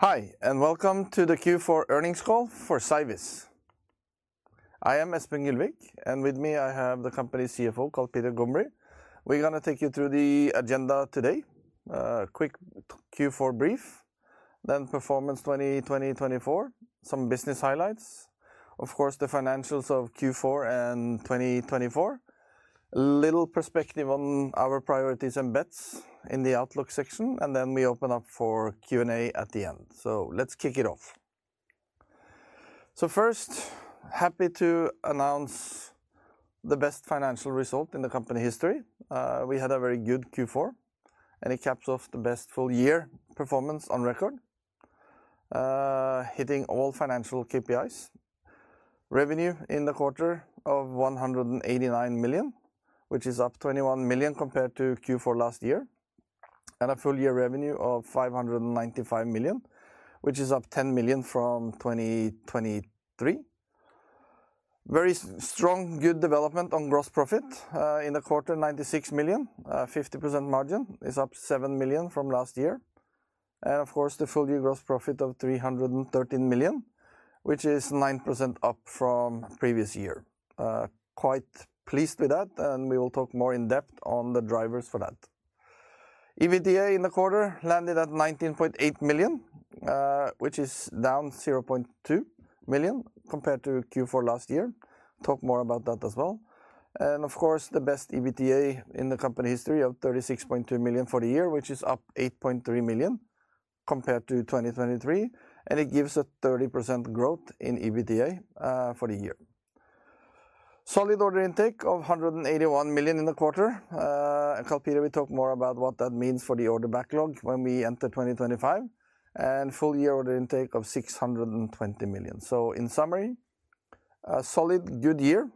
Hi, and welcome to the Q4 Earnings call for Cyviz. I am Espen Gylvik, and with me I have the company's CFO, Karl Peter Gombrii. We're going to take you through the agenda today: a quick Q4 brief, then performance 2020-2024, some business highlights, of course, the financials of Q4 and 2024, a little perspective on our priorities and bets in the Outlook section, and then we open up for Q&A at the end. Let's kick it off. First, happy to announce the best financial result in the company history. We had a very good Q4, and it caps off the best full-year performance on record, hitting all financial KPIs. Revenue in the quarter of 189 million, which is up 21 million compared to Q4 last year, and a full-year revenue of 595 million, which is up 10 million from 2023. Very strong, good development on gross profit. In the quarter, 96 million, 50% margin, is up 7 million from last year. Of course, the full-year gross profit of 313 million, which is 9% up from previous year. Quite pleased with that, and we will talk more in depth on the drivers for that. EBITDA in the quarter landed at 19.8 million, which is down 0.2 million compared to Q4 last year. Talk more about that as well. Of course, the best EBITDA in the company history of 36.2 million for the year, which is up 8.3 million compared to 2023, and it gives a 30% growth in EBITDA for the year. Solid order intake of 181 million in the quarter. Karl Peter, we talk more about what that means for the order backlog when we enter 2025, and full-year order intake of 620 million. In summary, a solid, good year.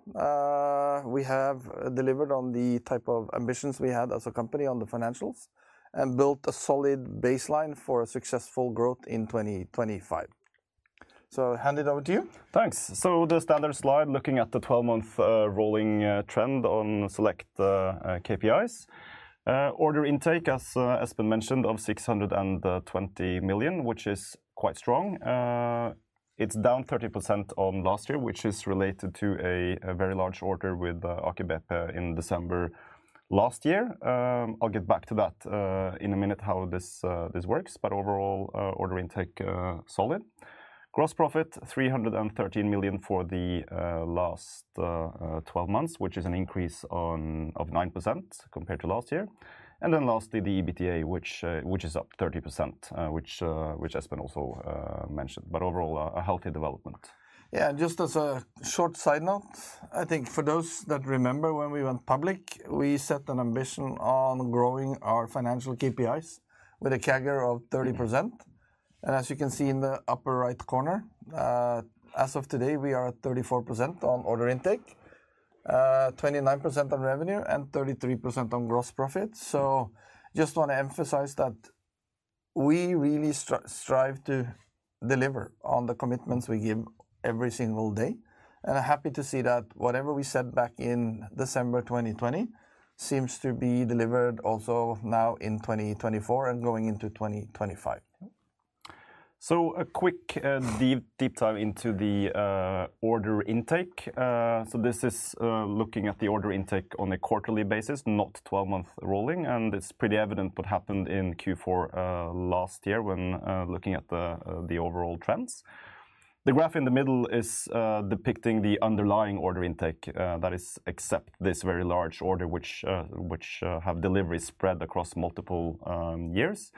We have delivered on the type of ambitions we had as a company on the financials and built a solid baseline for a successful growth in 2025. I hand it over to you. Thanks. The standard slid e looking at the 12-month rolling trend on select KPIs. Order intake, as Espen mentioned, of 620 million, which is quite strong. It is down 30% on last year, which is related to a very large order with Aker BP in December last year. I will get back to that in a minute, how this works, but overall, order intake solid. Gross profit, 313 million for the last 12 months, which is an increase of 9% compared to last year. Lastly, the EBITDA, which is up 30%, which Espen also mentioned, but overall, a healthy development. Yeah, and just as a short side note, I think for those that remember when we went public, we set an ambition on growing our financial KPIs with a CAGR of 30%. As you can see in the upper right corner, as of today, we are at 34% on order intake, 29% on revenue, and 33% on gross profit. I just want to emphasize that we really strive to deliver on the commitments we give every single day. I'm happy to see that whatever we said back in December 2020 seems to be delivered also now in 2024 and going into 2025. A quick deep dive into the order intake. This is looking at the order intake on a quarterly basis, not 12-month rolling, and it's pretty evident what happened in Q4 last year when looking at the overall trends. The graph in the middle is depicting the underlying order intake that is except this very large order, which have deliveries spread across multiple years.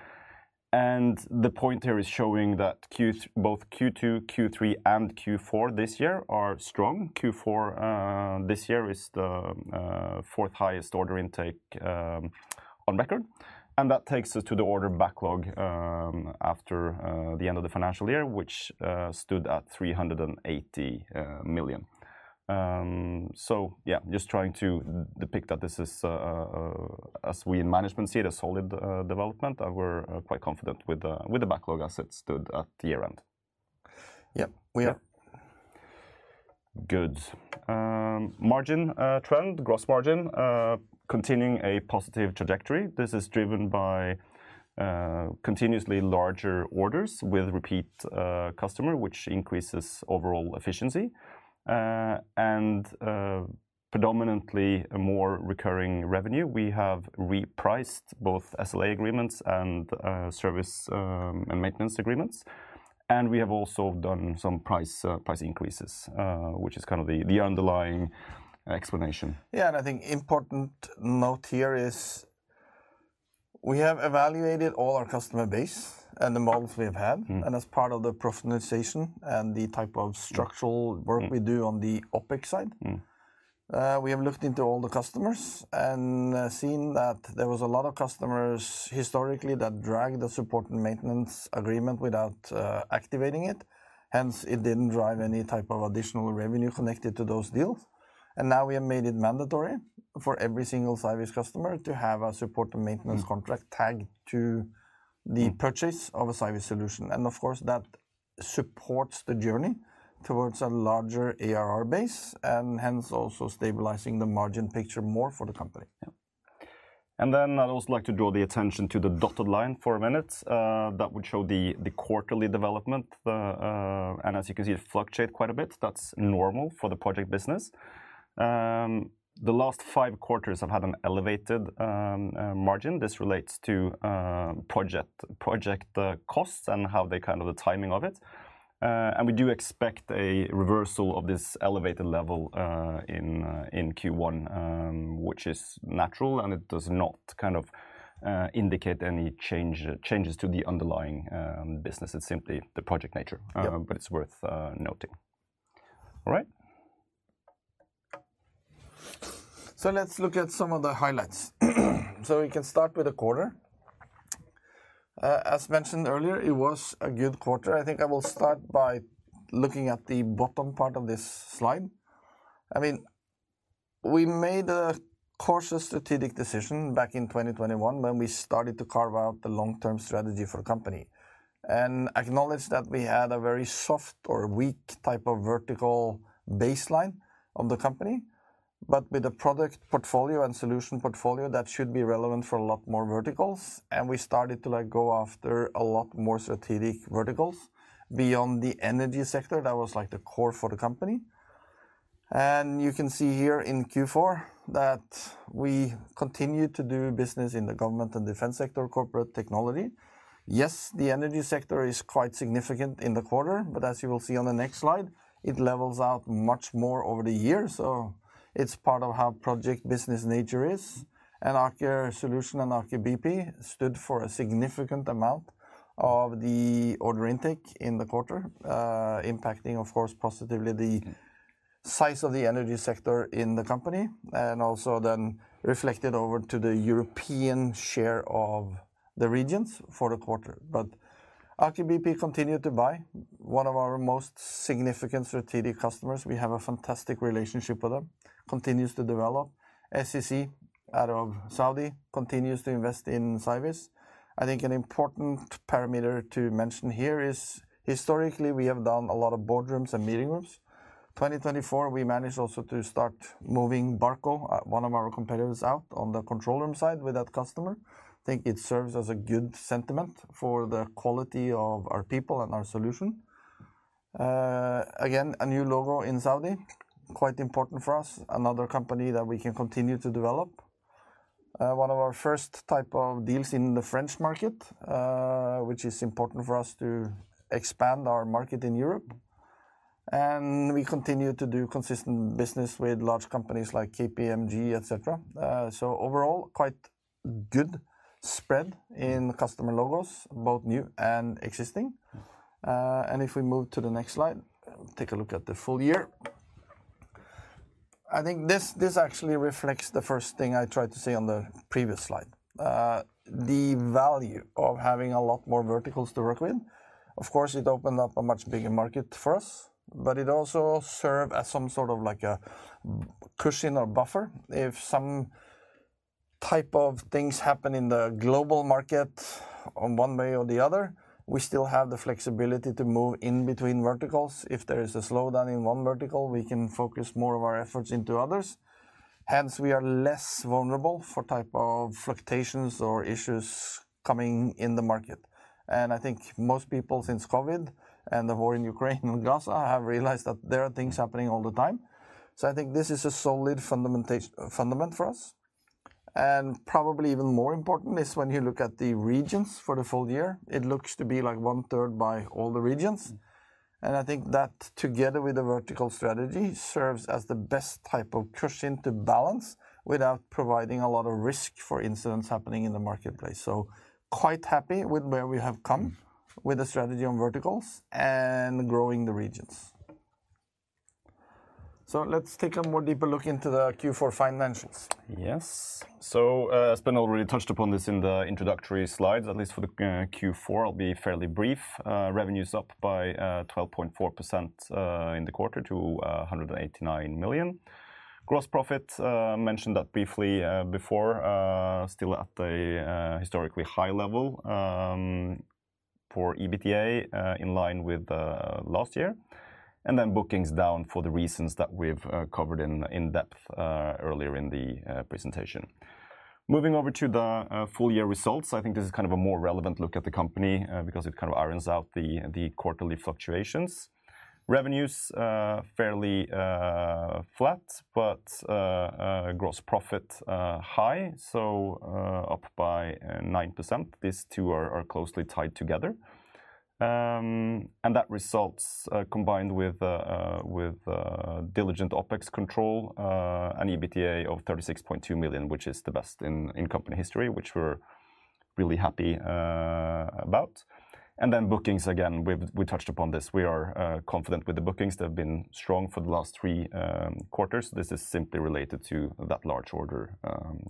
The point here is showing that both Q2, Q3, and Q4 this year are strong. Q4 this year is the fourth-highest order intake on record. That takes us to the order backlog after the end of the financial year, which stood at 380 million. Just trying to depict that this is, as we in management see it, a solid development. We're quite confident with the backlog as it stood at year-end. Yeah, we are. Good. Margin trend, gross margin, continuing a positive trajectory. This is driven by continuously larger orders with repeat customers, which increases overall efficiency. Predominantly a more recurring revenue. We have repriced both SLA agreements and service and maintenance agreements. We have also done some price increases, which is kind of the underlying explanation. Yeah, and I think important note here is we have evaluated all our customer base and the models we have had, and as part of the professionalization and the type of structural work we do on the OpEx side, we have looked into all the customers and seen that there was a lot of customers historically that dragged the support and maintenance agreement without activating it. Hence, it didn't drive any type of additional revenue connected to those deals. Now we have made it mandatory for every single Cyviz customer to have a support and maintenance contract tagged to the purchase of a Cyviz solution. Of course, that supports the journey towards a larger ARR base and hence also stabilizing the margin picture more for the company. I would also like to draw the attention to the dotted line for a minute. That would show the quarterly development. As you can see, it fluctuates quite a bit. That is normal for the project business. The last five quarters have had an elevated margin. This relates to project costs and how they kind of the timing of it. We do expect a reversal of this elevated level in Q1, which is natural, and it does not kind of indicate any changes to the underlying business. It is simply the project nature, but it is worth noting. All right. Let's look at some of the highlights. We can start with the quarter. As mentioned earlier, it was a good quarter. I think I will start by looking at the bottom part of this slide. I mean, we made a cautious strategic decision back in 2021 when we started to carve out the long-term strategy for the company and acknowledged that we had a very soft or weak type of vertical baseline of the company. With the product portfolio and solution portfolio, that should be relevant for a lot more verticals. We started to go after a lot more strategic verticals beyond the energy sector. That was like the core for the company. You can see here in Q4 that we continue to do business in the government and defense sector, corporate technology. Yes, the energy sector is quite significant in the quarter, but as you will see on the next slide, it levels out much more over the years. It is part of how project business nature is. Aker Solutions and Aker BP stood for a significant amount of the order intake in the quarter, impacting, of course, positively the size of the energy sector in the company and also then reflected over to the European share of the regions for the quarter. Aker BP continued to buy. One of our most significant strategic customers, we have a fantastic relationship with them, continues to develop. Saudi Electricity Company out of Saudi continues to invest in Cyviz. I think an important parameter to mention here is historically we have done a lot of boardrooms and meeting rooms. 2024, we managed also to start moving Barco, one of our competitors, out on the control room side with that customer. I think it serves as a good sentiment for the quality of our people and our solution. Again, a new logo in Saudi, quite important for us, another company that we can continue to develop. One of our firs t type of deals in the French market, which is important for us to expand our market in Europe. We continue to do consistent business with large companies like KPMG, etc. Overall, quite good spread in customer logos, both new and existing. If we move to the next slide, take a look at the full year. I think this actually reflects the first thing I tried to say on the previous slide. The value of having a lot more verticals to work with, of course, it opened up a much bigger market for us, but it also served as some sort of like a cushion or buffer. If some type of things happen in the global market on one way or the other, we still have the flexibility to move in between verticals. If there is a slowdown in one vertical, we can focus more of our efforts into others. Hence, we are less vulnerable for type of fluctuations or issues coming in the market. I think most people since COVID and the war in Ukraine and Gaza have realized that there are things happening all the time. I think this is a solid fundamental fundament for us. Probably even more important is when you look at the regions for the full year, it looks to be like one-third by all the regions. I think that together with the vertical strategy serves as the best type of cushion to balance without providing a lot of risk for incidents happening in the marketplace. Quite happy with where we have come with the strategy on verticals and growing the regions. Let's take a more deeper look into the Q4 financials. Yes. Espen already touched upon this in the introductory slides, at least for the Q4. I'll be fairly brief. Revenues up by 12.4% in the quarter to 189 million. Gross profit, mentioned that briefly before, still at a historically high level for EBITDA in line with last year. Bookings down for the reasons that we've covered in depth earlier in the presentation. Moving over to the full-year results, I think this is kind of a more relevant look at the company because it kind of irons out the quarterly fluctuations. Revenues fairly flat, but gross profit high, so up by 9%. These two are closely tied together. That results combined with diligent OpEx control and EBITDA of 36.2 million, which is the best in company history, which we're really happy about. Bookings, again, we touched upon this. We are confident with the bookings. They've been strong for the last three quarters. This is simply related to that large order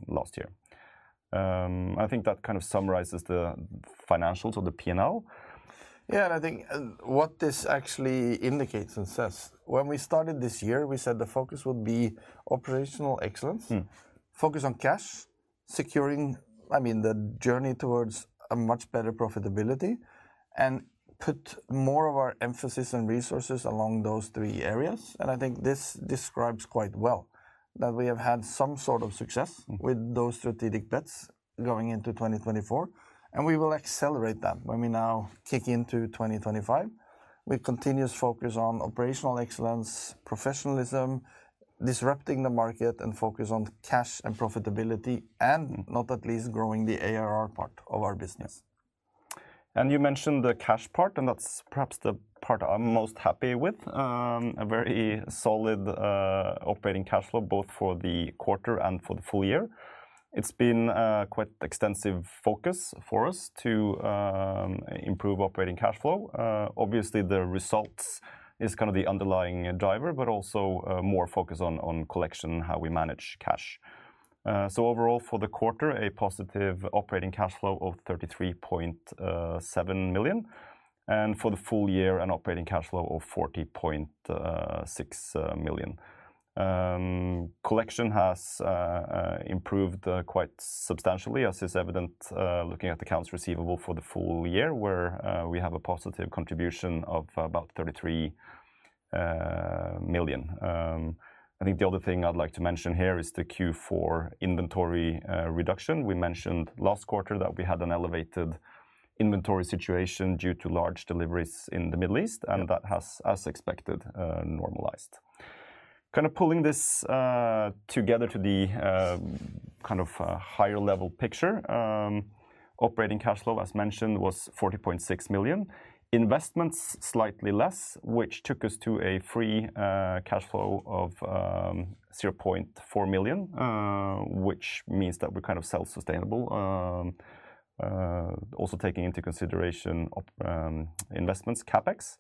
last year. I think that kind of summarizes the financials or the P&L. Yeah, and I think what this actually indicates and says, when we started this year, we said the focus would be operational excellence, focus on cash, securing, I mean, the journey towards a much better profitability, and put more of our emphasis and resources along those three areas. I think this describes quite well that we have had some sort of success with those strategic bets going into 2024. We will accelerate that when we now kick into 2025 with continuous focus on operational excellence, professionalism, disrupting the market, and focus on cash and profitability, and not at least growing the ARR part of our business. You mentioned the cash part, and that is perhaps the part I am most happy with. A very solid operating cash flow, both for the quarter and for the full year. It has been quite extensive focus for us to improve operating cash flow. Obviously, the results is kind of the underlying driver, but also more focus on collection, how we manage cash. Overall, for the quarter, a positive operating cash flow of 33.7 million. For the full year, an operating cash flow of 40.6 million. Collection has improved quite substantially, as is evident looking at the accounts receivable for the full year, where we have a positive contribution of about 33 million. I think the other thing I would like to mention here is the Q4 inventory reduction. We mentioned last quarter that we had an elevated inventory situation due to large deliveries in the Middle East, and that has, as expected, normalized. Kind of pulling this together to the kind of higher level picture, operating cash flow, as mentioned, was 40.6 million. Investments, slightly less, which took us to a free cash flow of 0.4 million, which means that we're kind of self-sustainable, also taking into consideration investments, CapEx.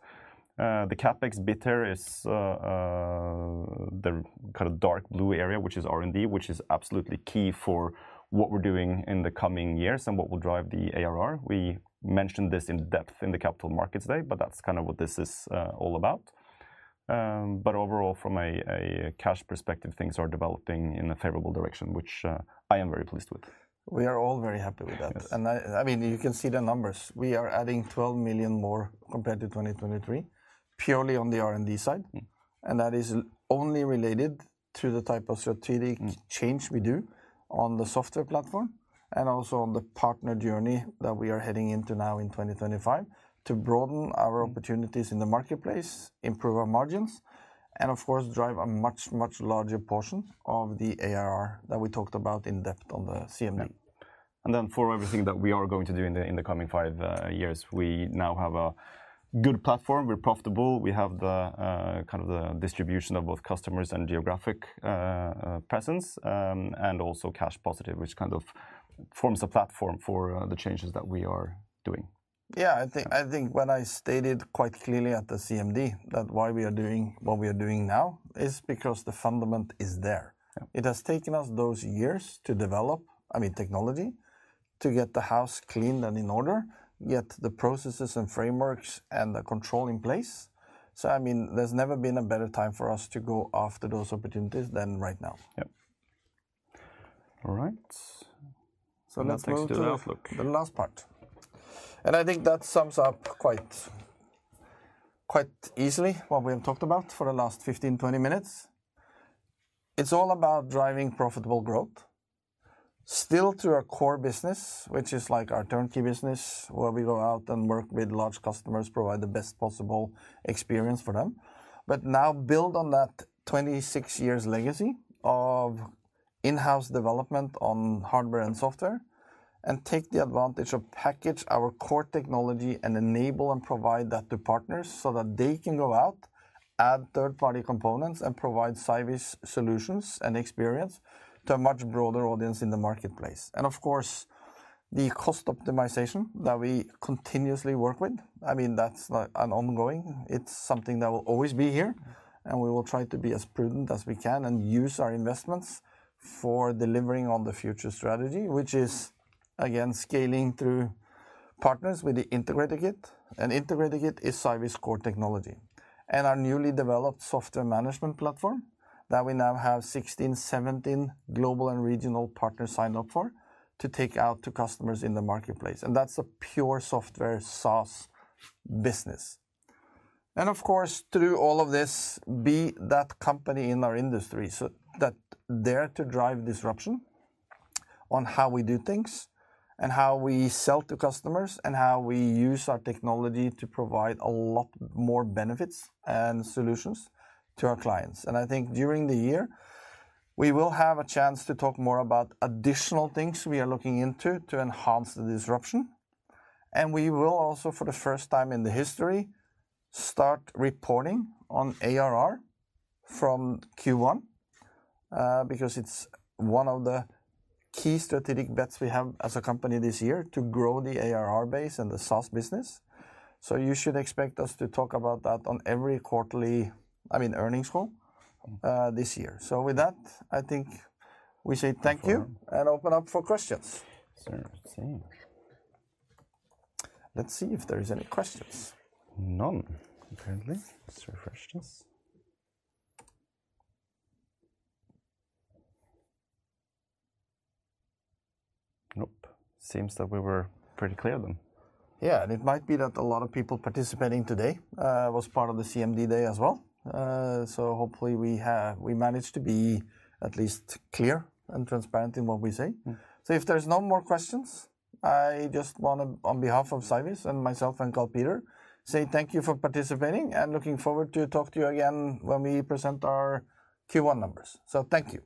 The CapEx bit is the kind of dark blue area, which is R&D, which is absolutely key for what we're doing in the coming years and what will drive the ARR. We mentioned this in depth in the Capital Markets Day, that is kind of what this is all about. Overall, from a cash perspective, things are developing in a favorable direction, which I am very pleased with. We are all very happy with that. I mean, you can see the numbers. We are adding 12 million more compared to 2023, purely on the R&D side. That is only related to the type of strategic change we do on the software platform and also on the partner journey that we are heading into now in 2025 to broaden our opportunities in the marketplace, improve our margins, and of course, drive a much, much larger portion of the ARR that we talked about in depth on the CMD. For everything that we are going to do in the coming five years, we now have a good platform. We're profitable. We have kind of the distribution of both customers and geographic presence, and also cash positive, which kind of forms a platform for the changes that we are doing. Yeah, I think when I stated quite clearly at the CMD that why we are doing what we are doing now is because the fundament is there. It has taken us those years to develop, I mean, technology, to get the house cleaned and in order, get the processes and frameworks and the control in place. I mean, there's never been a better time for us to go after those opportunities than right now. Yeah. All right. Let's take the last look. The last part. I think that sums up quite easily what we have talked about for the last 15-20 minutes. It is all about driving profitable growth, still to our core business, which is like our turnkey business, where we go out and work with large customers, provide the best possible experience for them. Now build on that 26-years legacy of in-house development on hardware and software and take the advantage of package our core technology and enable and provide that to partners so that they can go out, add third-party components, and provide Cyviz solutions and experience to a much broader audience in the marketplace. Of course, the cost optimization that we continuously work with, I mean, that is ongoing. It is something that will always be here. We will try to be as prudent as we can and use our investments for delivering on the future strategy, which is, again, scaling through partners with the Integrator Kit. Integrator Kit is Cyviz core technology and our newly developed software management platform that we now have 16-17 global and regional partners signed up for to take out to customers in the marketplace. That is a pure software SaaS business. Of course, through all of this, be that company in our industry that is there to drive disruption on how we do things and how we sell to customers and how we use our technology to provide a lot more benefits and solutions to our clients. I think during the year, we will have a chance to talk more about additional things we are looking into to enhance the disruption. We will also, for the first time in the history, start reporting on ARR from Q1 because it's one of the key strategic bets we have as a company this year to grow the ARR base and the SaaS business. You should expect us to talk about that on every quarterly, I mean, earnings call this year. With that, I think we say thank you and open up for questions. Let's see if there are any questions. None. Apparently. Let's refresh this. Nope. Seems that we were pretty clear then. Yeah, and it might be that a lot of people participating today was part of the CMD day as well. Hopefully, we managed to be at least clear and transparent in what we say. If there's no more questions, I just want to, on behalf of Cyviz and myself and Karl Peter, say thank you for participating and looking forward to talk to you again when we present our Q1 numbers. Thank you.